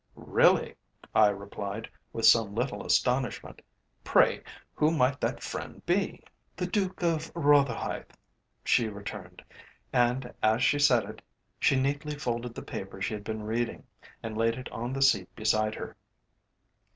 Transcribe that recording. "Really!" I replied, with some little astonishment. "Pray, who might that friend be?" "The Duke of Rotherhithe," she returned, and, as she said it, she neatly folded the paper she had been reading and laid it on the seat beside her.